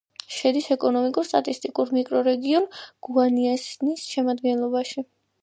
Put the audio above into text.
შედის ეკონომიკურ-სტატისტიკურ მიკრორეგიონ გუანიაინსის შემადგენლობაში.